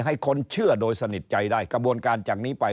ให้คนเชื่อโดยสนิทใจได้กระบวนการจากนี้ไป